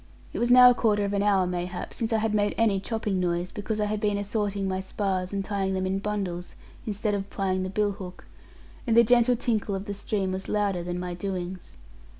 It was now a quarter of an hour mayhap, since I had made any chopping noise, because I had been assorting my spars, and tying them in bundles, instead of plying the bill hook; and the gentle tinkle of the stream was louder than my doings.